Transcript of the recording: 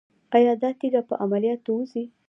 ایا دا تیږه په عملیات وځي؟